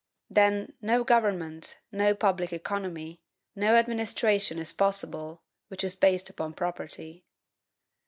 Then, no government, no public economy, no administration, is possible, which is based upon property.